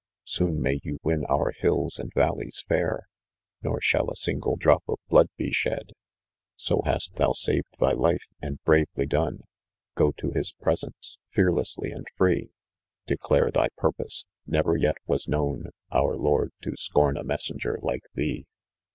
Soon may you win our hills and rallies fair, Nor sua! 1 a single drop of blood be shed." •So hast thou saved tliey life, and braTely done. Go to his presence, fearlessly and free, Declare thy purpose : never yet was known Our lord to scorn a messenger like thee.'